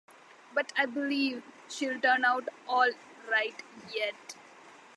But I believe she’ll turn out all right yet.